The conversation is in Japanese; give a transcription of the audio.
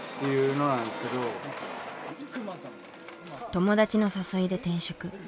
友達の誘いで転職。